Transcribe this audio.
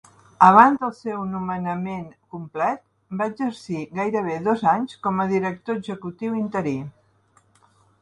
Abans del seu nomenament complet, va exercir gairebé dos anys com a director executiu interí.